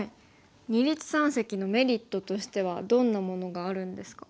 二立三析のメリットとしてはどんなものがあるんですか？